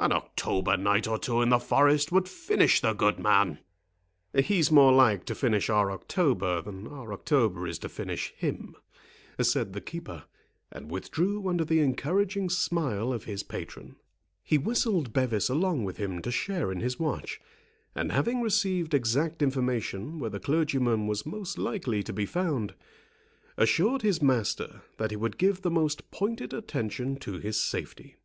An October night or two in the forest would finish the good man." "He's more like to finish our October than our October is to finish him," said the keeper; and withdrew under the encouraging smile of his patron. He whistled Bevis along with him to share in his watch; and having received exact information where the clergyman was most likely to be found, assured his master that he would give the most pointed attention to his safety.